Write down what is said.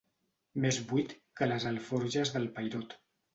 Més buit que les alforges del Peirot.